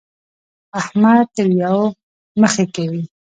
احمد تريو مخی کوي.